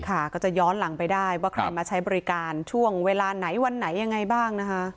ก็จะย้อนหลังไปได้ว่าใครมาใช้บริการช่วงเวลาไหนวันไหนยังไงบ้างนะคะ